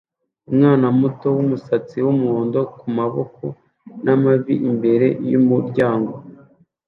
Umwana muto wumusatsi wumuhondo kumaboko n'amavi imbere yumuryango